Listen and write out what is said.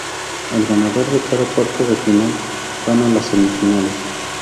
El ganador de cada cuarto de final van a las semifinales.